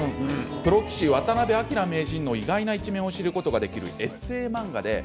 プロ棋士、渡辺明名人の意外な一面を知ることができるエッセー漫画です。